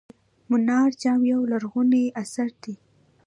منار جام یو لرغونی اثر دی.